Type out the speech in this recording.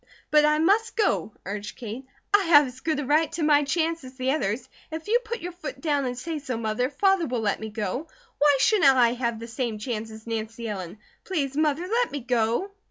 "But I must go!" urged Kate. "I have as good a right to my chance as the others. If you put your foot down and say so, Mother, Father will let me go. Why shouldn't I have the same chance as Nancy Ellen? Please Mother, let me go!"